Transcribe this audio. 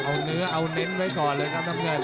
เอาเนื้อเอาเน้นไว้ก่อนเลยครับน้ำเงิน